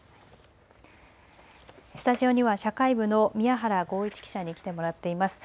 スタジオには社会部の宮原豪一記者に来てもらっています。